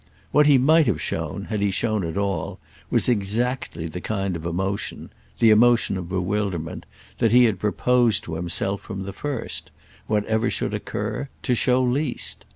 What he might have shown, had he shown at all, was exactly the kind of emotion—the emotion of bewilderment—that he had proposed to himself from the first, whatever should occur, to show least.